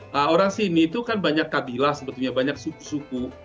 nah orang sini itu kan banyak kabilah sebetulnya banyak suku suku